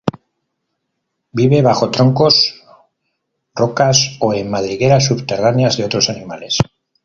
Vive bajo troncos, rocas o en madrigueras subterráneas de otros animales.